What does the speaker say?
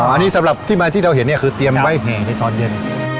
อันนี้สำหรับที่เราเห็นคือเตรียมไว้ในตอนเย็น